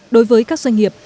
đối với các doanh nghiệp